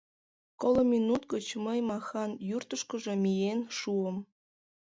Коло минут гыч мый Махан юртышкыжо миен шуым.